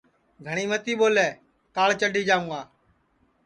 گھٹؔی متی ٻولے کاݪ چڈھی جاوں گا